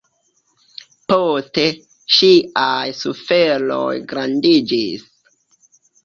Poste, ŝiaj suferoj grandiĝis.